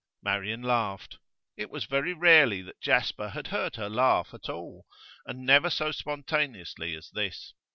Marian laughed. It was very rarely that Jasper had heard her laugh at all, and never so spontaneously as this.